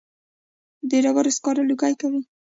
د ډبرو سکاره لوګی کوي